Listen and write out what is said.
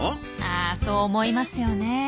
あそう思いますよね。